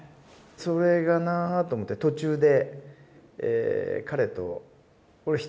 それがなあと思って途中で。